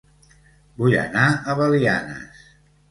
Vull anar a Belianes